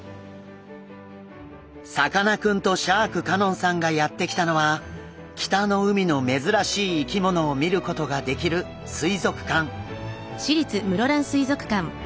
さかなクンとシャーク香音さんがやって来たのは北の海の珍しい生き物を見ることができる水族館。